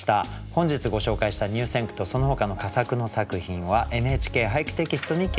本日ご紹介した入選句とそのほかの佳作の作品は「ＮＨＫ俳句」テキストに掲載されます。